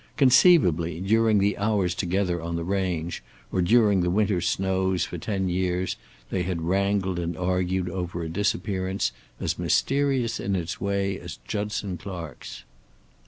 Conceivably, during the hours together on the range, or during the winter snows, for ten years they had wrangled and argued over a disappearance as mysterious in its way as Judson Clark's.